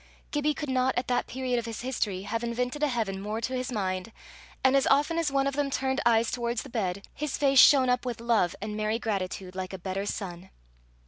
Gibbie could not, at that period of his history, have invented a heaven more to his mind, and as often as one of them turned eyes towards the bed, his face shone up with love and merry gratitude, like a better sun.